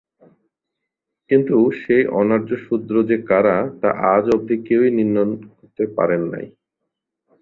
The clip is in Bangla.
কিন্তু সেই অনার্য শূদ্র যে কারা, তা আজ অবধি কেউই নির্ণয় করতে পারেন নাই।